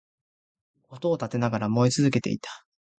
音を立てながら燃え続けていた